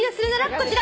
こちら。